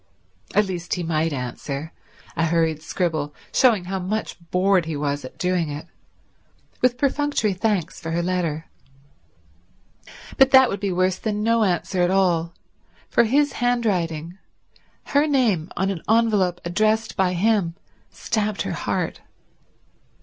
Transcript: At least, he might answer—a hurried scribble, showing how much bored he was at doing it, with perfunctory thanks for her letter. But that would be worse than no answer at all; for his handwriting, her name on an envelope addressed by him, stabbed her heart.